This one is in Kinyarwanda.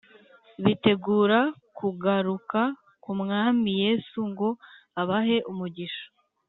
bitegura kugaruka k’ Umwami Yesu ngo abahe umugisha